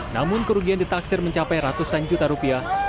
namun kerugian ditaksir mencapai ratusan juta rupiah